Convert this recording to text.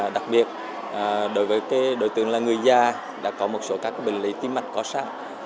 đặc biệt đối với đối tượng là người già đã có một số các cái bệnh lý tim mật có sắc